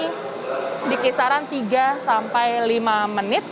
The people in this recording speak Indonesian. setelah berangkat kereta api maka dikisaran tiga sampai lima menit